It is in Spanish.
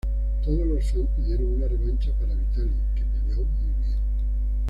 Todos los fans pidieron una revancha para Vitali que peleó muy bien.